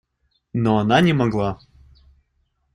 Но она не могла.